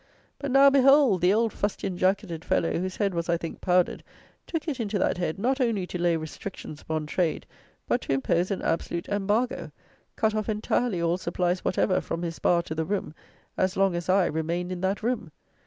But, now behold, the old fustian jacketed fellow, whose head was, I think, powdered, took it into that head not only to lay "restrictions" upon trade, but to impose an absolute embargo; cut off entirely all supplies whatever from his bar to the room, as long as I remained in that room.